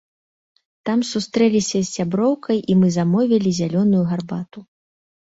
Там сустрэліся з сяброўкай і мы замовілі зялёную гарбату.